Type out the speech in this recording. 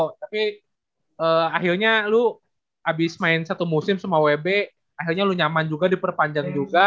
tapi akhirnya lu abis main satu musim semua wb akhirnya lo nyaman juga diperpanjang juga